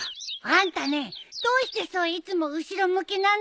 あんたねどうしてそういつも後ろ向きなのさ！